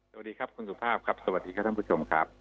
สวัสดีครับคุณสุภาพครับสวัสดีครับท่านผู้ชมครับ